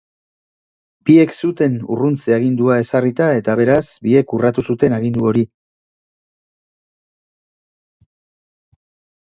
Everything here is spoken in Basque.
Biek zuten urruntze-agindua ezarrita eta, beraz, biek urratu zuten agindu hori.